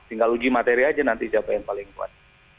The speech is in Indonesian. tinggal uji materi aja nanti siapa yang paling kuat